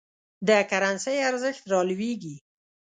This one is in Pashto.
د کرنسۍ ارزښت رالویږي.